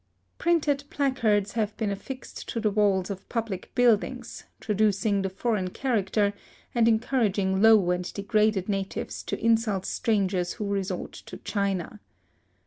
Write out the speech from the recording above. Printed placards have even been affixed to the walls of public buildings, traducing the foreign character, and encouraging low and degraded natives to insult strangers who resort to China.